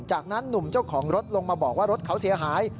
จากนั้นหนุ่มเจ้าของรถลงมาบอกว่ารถเขาเสียหาย